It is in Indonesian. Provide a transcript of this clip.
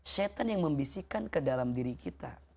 syetan yang membisikkan ke dalam diri kita